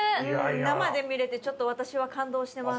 生で見れてちょっと私は感動してます。